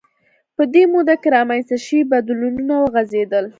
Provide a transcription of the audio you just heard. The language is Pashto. په دې موده کې رامنځته شوي بدلونونه وغځېدل